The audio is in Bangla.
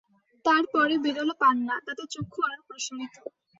তার পরে বেরোল পান্না, তাতে চক্ষু আরো প্রসারিত।